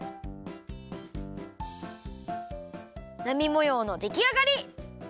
なみもようのできあがり！